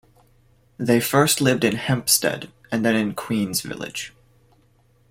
They first lived in Hempstead, and then in Queens Village.